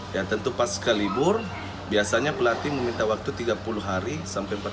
ya tentu pas ke libur biasanya pelatih meminta waktu tiga puluh hari sampai empat puluh lima hari masa persiapan